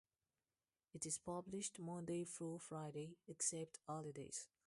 It is published Monday through Friday, except holidays.